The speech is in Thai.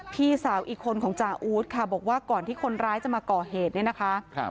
พี่สาวอีกคนของจาอู๊ดค่ะบอกว่าก่อนที่คนร้ายจะมาก่อเหตุเนี่ยนะคะ